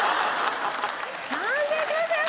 完成しましたよ